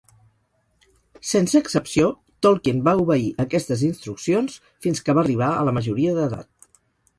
Sense excepció, Tolkien va obeir aquestes instruccions fins que va arribar a la majoria d'edat.